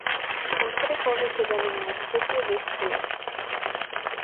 Утре повеќе делови на Скопје без струја